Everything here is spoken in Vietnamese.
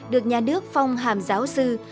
được nhà nước phong hàm giáo sư